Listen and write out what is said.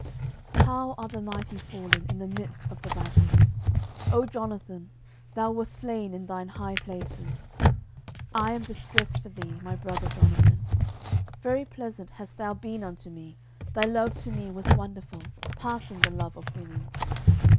10:001:025 How are the mighty fallen in the midst of the battle! O Jonathan, thou wast slain in thine high places. 10:001:026 I am distressed for thee, my brother Jonathan: very pleasant hast thou been unto me: thy love to me was wonderful, passing the love of women.